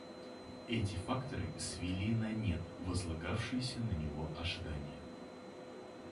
Эти факторы свели на нет возлагавшиеся на него ожидания.